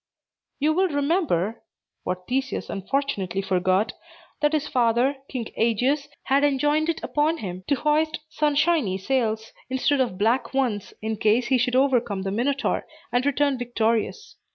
You will remember (what Theseus unfortunately forgot) that his father, King Aegeus, had enjoined it upon him to hoist sunshiny sails, instead of black ones, in case he should overcome the Minotaur, and return victorious.